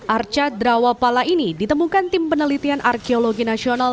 arca drawapala ini ditemukan tim penelitian arkeologi nasional